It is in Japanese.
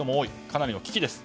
かなりの危機です。